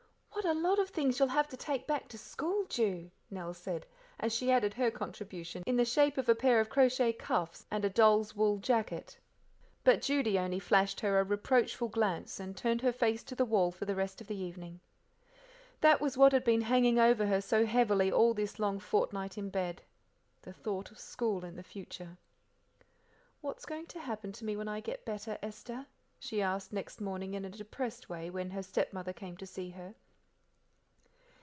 "What a lot of things you'll have to take back to school, Ju," Nell said, as she added her contribution in the shape of a pair of crochet cuffs and a doll's wool jacket. But Judy only flashed her a reproachful glance, and turned her face to the wall for the rest of the evening. That was what had been hanging over her so heavily all this long fortnight in bed the thought of school in the future. "What's going to happen to me when I get better, Esther?" she asked next morning, in a depressed way, when her stepmother came to see her.